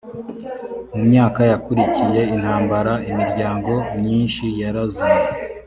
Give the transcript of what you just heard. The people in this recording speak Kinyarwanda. mu myaka yakurikiye intambara imiryango myinshi yarazimye